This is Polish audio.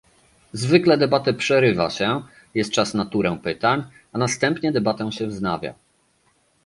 Zwykle debatę przerywa się, jest czas na turę pytań, a następnie debatę się wznawia